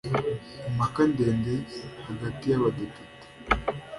impaka ndende hagati y’Abadepite